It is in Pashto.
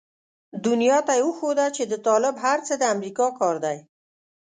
دنيا ته يې وښوده چې د طالب هر څه د امريکا کار دی.